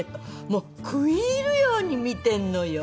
もう食い入るように見てるのよ。